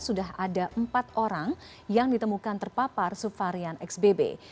sudah ada empat orang yang ditemukan terpapar suvarian xbb